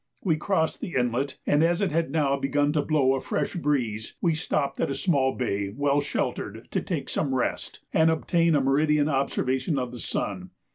We crossed the inlet, and as it had now begun to blow a fresh breeze we stopped at a small bay, well sheltered, to take some rest, and obtain a meridian observation of the sun.